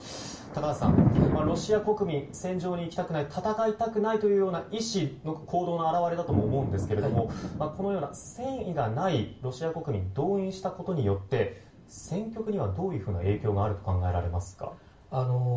高橋さん、ロシア国民戦場に行きたくない戦いなくないという意思の行動の表れだと思うんですがこのような戦意がないロシア国民を動員したことで戦局には、どういう影響があると考えられますか？